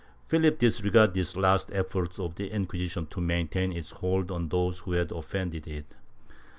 Philip disregarded this last effort of the Inquisition to maintain its hold on those who had offended it.